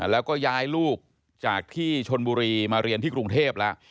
แล้วก็ย้ายลูกจากที่ชนบุรีมาเรียนที่กรุงเทพแล้ว